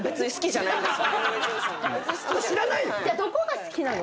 じゃあどこが好きなの？